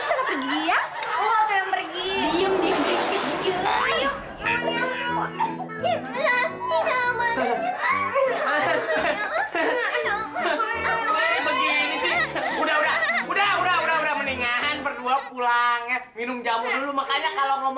enggak enggak enggak maksud abih